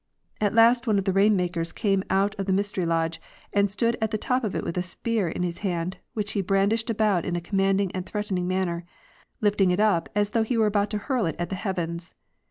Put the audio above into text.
At last one of the rain makers came out of the mystery lodge and stood on the top of it with a spear in his hand, which he brandished about in a commanding and threatening manner, lifting it up as though he were about to hurl it at the heavens.